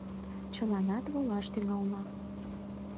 Чыланат волаш тӱҥална.